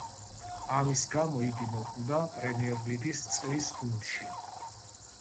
ამის გამო იგი მოხვდა პრემიერ ლიგის წლის გუნდში.